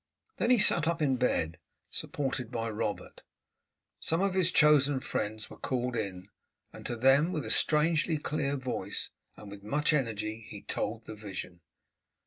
Then he sat up in bed, supported by Robert; some of his chosen friends were called in, and to them, with a strangely clear voice and with much energy, he told the vision.